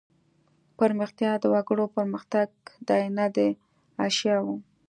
پرمختیا د وګړو پرمختګ دی نه د اشیاوو.